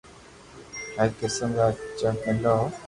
هر قسم را چپ ملو هو